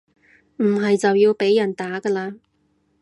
唔係就要被人打㗎喇